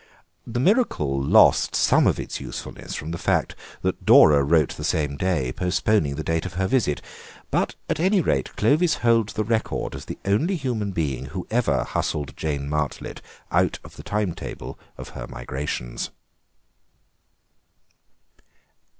The miracle lost some of its usefulness from the fact that Dora wrote the same day postponing the date of her visit, but, at any rate, Clovis holds the record as the only human being who ever hustled Jane Martlet out of the time table of her migrations.